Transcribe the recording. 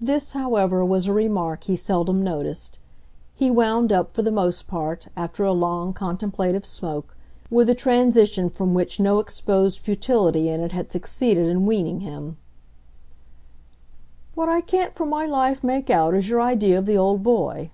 This, however, was a remark he seldom noticed; he wound up, for the most part, after a long, contemplative smoke, with a transition from which no exposed futility in it had succeeded in weaning him. "What I can't for my life make out is your idea of the old boy."